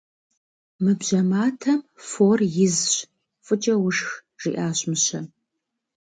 Мы бжьэ матэм фор изщ, фӏыкӏэ ушх, - жиӏащ мыщэм.